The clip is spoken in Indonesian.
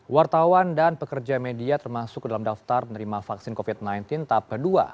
wartawan dan pekerja media termasuk dalam daftar penerima vaksin covid sembilan belas tahap kedua